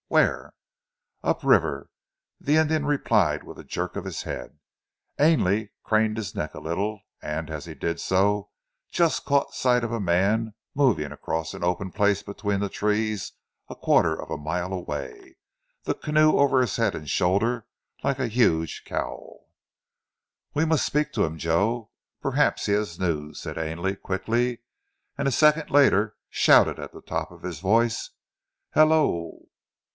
"Where?" "Up river," replied the Indian with a jerk of his head. Ainley craned his neck a little and, as he did so, just caught sight of a man moving across an open place between the trees a quarter of a mile away, the canoe over his head and shoulder like a huge cowl. "We must speak to him, Joe! Perhaps he has news," said Ainley quickly, and a second later shouted at the top of his voice. "Hal lo o o!"